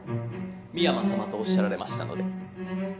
深山さまとおっしゃられましたので。